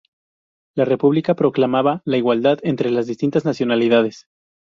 La república proclamaba la igualdad entre las distintas nacionalidades.